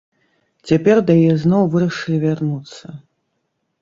Цяпер да яе зноў вырашылі вярнуцца.